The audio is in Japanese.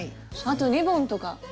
あとリボンとか。